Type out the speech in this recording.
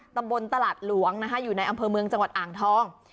ตำบลตลาดหลวงนะคะอยู่ในอำเภอเมืองจังหวัดอ่างทอง